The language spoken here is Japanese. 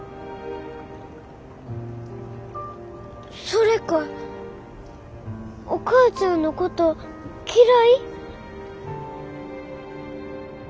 それかお母ちゃんのこと嫌い？